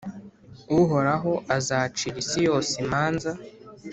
Uhoraho azacira isi yose imanza